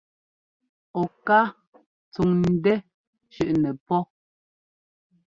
Ɔ ká tsúŋ ńdɛ́ shʉʼnɛ pó.